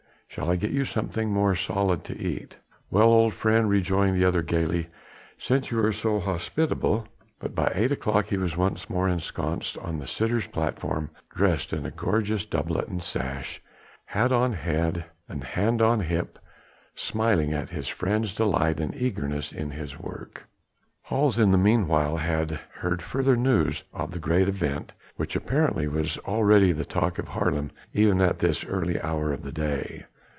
Shall I get you something more solid to eat?" "Well, old friend," rejoined the other gaily, "since you are so hospitable...." By eight o'clock he was once more ensconced on the sitter's platform, dressed in a gorgeous doublet and sash, hat on head and hand on hip, smiling at his friend's delight and eagerness in his work. Hals in the meanwhile had heard further news of the great event which apparently was already the talk of Haarlem even at this early hour of the day.